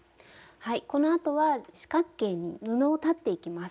はいこのあとは四角形に布を裁っていきます。